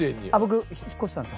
僕引っ越したんです